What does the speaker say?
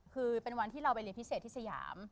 คือเป็นวันที่เราไปเรียนพิเศษที่สยาม